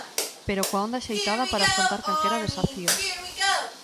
Pero coa onda axeitada para afrontar calquera desafío.